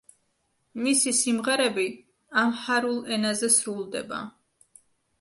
მისი სიმღერები ამჰარულ ენაზე სრულდება.